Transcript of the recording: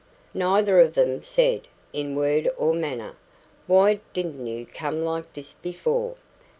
Neither of them said, in word or manner, "Why didn't you come like this before?"